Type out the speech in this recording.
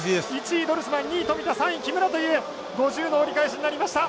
１位、ドルスマン２位、富田、３位、木村という５０の折り返しになりました。